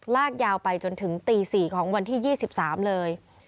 ลากยาวไปจนถึงตี๔ของวันที่๒๓เลย